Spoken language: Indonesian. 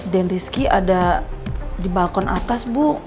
dan rizky ada di balkon atas bu